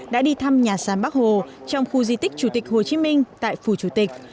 đã đi thăm nhà sàn bắc hồ trong khu di tích chủ tịch hồ chí minh tại phủ chủ tịch